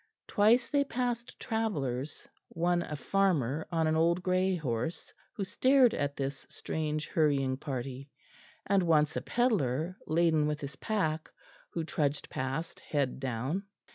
Twice they passed travellers, one a farmer on an old grey horse, who stared at this strange hurrying party; and once a pedlar, laden with his pack, who trudged past, head down.